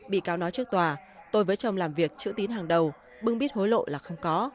bị cáo nói trước tòa tôi với chồng làm việc chữ tín hàng đầu bưng bít hối lộ là không có